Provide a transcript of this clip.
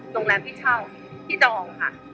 โรงง้านพี่ช่าวพี่จอมค่ะ